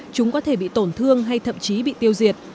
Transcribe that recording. chúng có thể bị tổn thương hay thậm chí bị tiêu diệt